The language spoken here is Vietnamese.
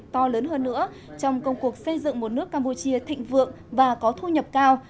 to lớn hơn nữa trong công cuộc xây dựng một nước campuchia thịnh vượng và có thu nhập cao